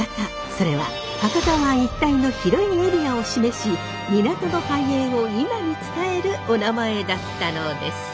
それは博多湾一帯の広いエリアを示し港の繁栄を今に伝えるお名前だったのです。